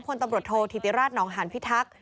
พลตำรวจโทษธิติราชนองหานพิทักษ์